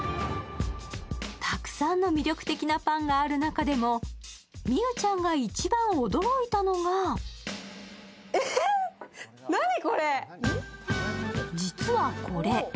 たくさんの魅力的なパンがある中でも美羽ちゃんが驚いたのはえっ、何これ！？